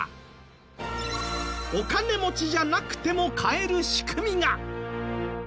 お金持ちじゃなくても買える仕組みが！